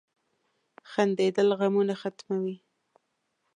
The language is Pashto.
• خندېدل غمونه ختموي.